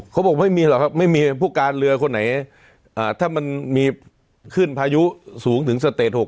เขาบอกไม่มีหรอกครับไม่มีผู้การเรือคนไหนถ้ามันมีขึ้นพายุสูงถึงสเตจ๖